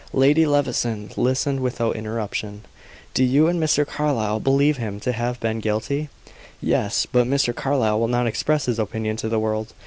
Lady Levison listened without interruption. "Do you and Mr. Carlyle believe him to have been guilty?" "Yes; but Mr. Carlyle will not express his opinion to the world.